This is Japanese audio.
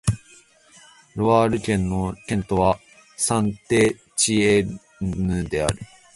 ロワール県の県都はサン＝テチエンヌである